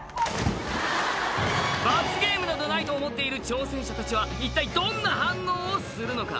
罰ゲームなどないと思っている挑戦者たちは一体どんな反応をするのか！？